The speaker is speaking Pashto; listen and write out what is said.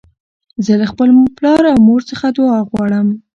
زه له خپل پلار او مور څخه دؤعا غواړم.